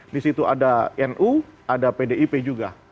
di situ ada nu ada pdip juga